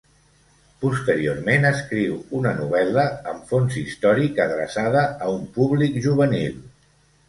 Posteriorment escriu una novel·la amb fons històric adreçada a un públic juvenil.